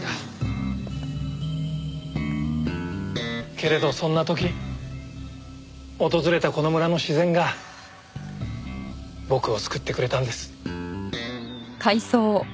けれどそんな時訪れたこの村の自然が僕を救ってくれたんです。